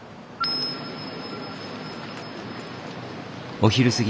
お昼過ぎ。